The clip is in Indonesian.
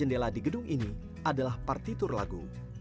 jendela di gedung ini adalah partitur lagu